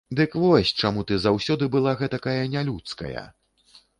Дык вось чаму ты заўсёды была гэтакая нялюдская!